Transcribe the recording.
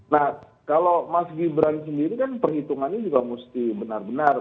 nah kalau mas gibran sendiri kan perhitungannya juga mesti benar benar